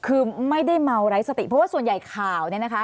คือไม่ได้เมาไร้สติเพราะว่าส่วนใหญ่ข่าวเนี่ยนะคะ